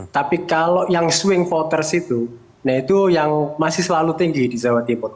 tapi kalau yang swing voters itu nah itu yang masih selalu tinggi di jawa timur